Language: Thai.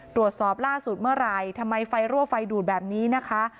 ตรวจสอบล่าสุดเมื่อไหร่ทำไมไฟรั่วไฟดูดแบบนี้นะคะ